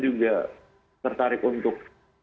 juga tertarik untuk